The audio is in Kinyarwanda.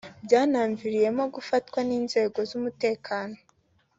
byanaviriyemo gufatwa n’inzego z’umutekano